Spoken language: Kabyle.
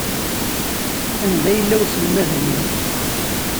Anda yella uselmad-nni?